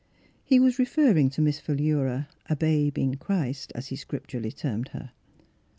He "vvas referring to Miss Phi lura, " a babe in Christ," as he scrip turally termed her.